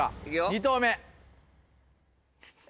２投目。